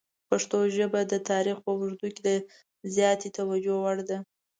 پښتو ژبه د تاریخ په اوږدو کې د زیاتې توجه وړ ده.